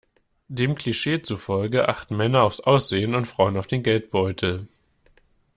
Dem Klischee zufolge achten Männer aufs Aussehen und Frauen auf den Geldbeutel.